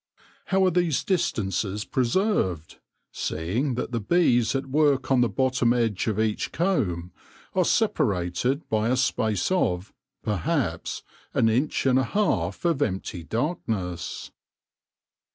How are these distances preserved, seeing that the bees at work on the bottom edge of each comb are separated by a space of, perhaps, an inch and a half of empty darkness